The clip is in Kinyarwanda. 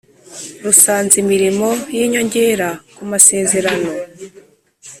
Rusanze imirimo y inyongera ku masezerano